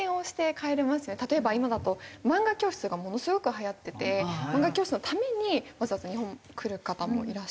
例えば今だと漫画教室がものすごくはやってて漫画教室のためにわざわざ日本に来る方もいらっしゃるので。